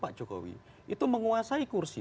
pak jokowi itu menguasai kursi